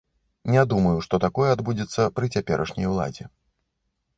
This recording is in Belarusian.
Не думаю, што такое адбудзецца пры цяперашняй уладзе.